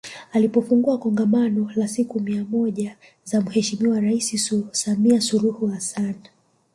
Alipofungua Kongamano la siku mia moja za Mheshimiwa Rais Samia Suluhu Hassan